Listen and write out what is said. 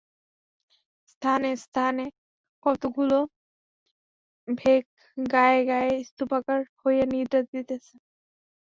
স্থানে স্থানে কতকগুলা ভেক গায়ে গায়ে স্তূপাকার হইয়া নিদ্রা দিতেছে।